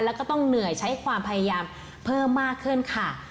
แล้วก็ต้องเหนื่อยใช้ความพยายามเพิ่มมากขึ้นค่ะ